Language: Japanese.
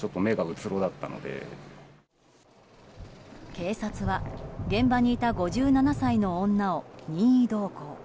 警察は、現場にいた５７歳の女を任意同行。